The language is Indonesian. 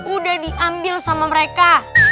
udah diambil sama mereka